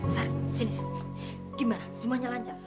sar sini sar gimana semuanya lanjut